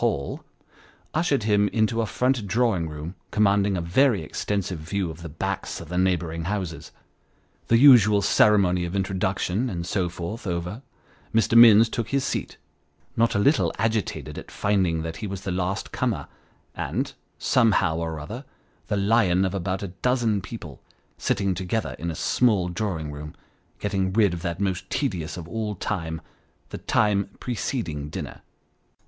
239 Hall," ushered him into a front drawing room commanding a very extensive view of the backs of the neighbouring houses. The usual ceremony of introduction, and so forth, over, Mr. Minns took his seat : not a little agitated at finding that he was the last comer, and, somehow or other, the Lion of about a dozen people, sitting together in a small drawing room, getting rid of that most tedious of all time, the time preceding dinner.